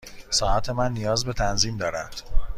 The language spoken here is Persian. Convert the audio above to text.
ساعت من نیاز به تنظیم دارد.